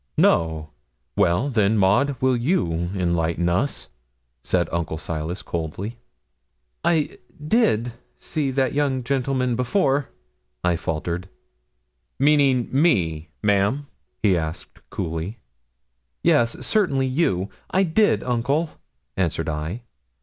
'No! Well, then, Maud, will you enlighten us?' said Uncle Silas, coldly. 'I did see that young gentleman before,' I faltered. 'Meaning me, ma'am?' he asked, coolly. 'Yes certainly you. I did, uncle,' answered I.